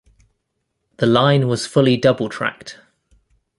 The line was fully double-tracked.